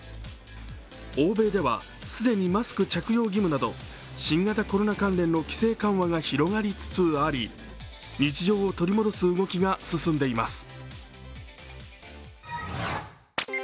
欧米では、既にマスク着用義務など新型コロナ関連の規制緩和が広がりつつあり、日常を取り戻す動きが進んでいます。